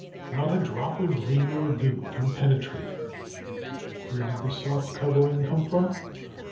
Not a drop of rain or dew can penetrate. Where did this soft covering come from?